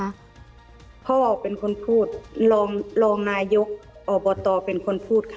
พ่อเป็นคนพูดรองรองนายกอบตเป็นคนพูดค่ะ